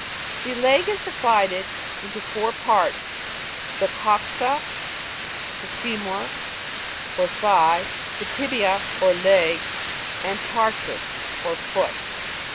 The leg is divided into four parts; the coxa, the femur or thigh, the tibia or leg, and tarsus or foot.